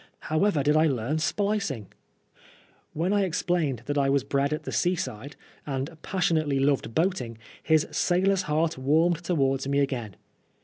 However did I learn splicing I When I explained that I was bred at the seaside, and passionately loved boating, his sailor's heart warmed towards me again.